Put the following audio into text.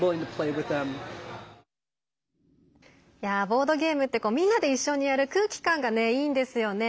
ボードゲームってみんなで一緒にやる空気感がいいんですよね。